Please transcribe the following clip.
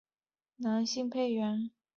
梁兴昌为台湾男性配音员。